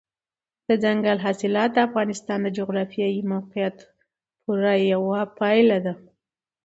دځنګل حاصلات د افغانستان د جغرافیایي موقیعت پوره یوه پایله ده.